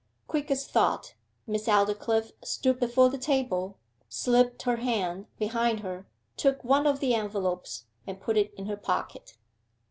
Quick as thought, Miss Aldclyffe stood before the table, slipped her hand behind her, took one of the envelopes and put it in her pocket.